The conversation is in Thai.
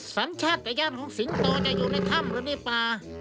สัญชาติตะย่านของสิงโตจะอยู่ในถ้ำหรือในป่า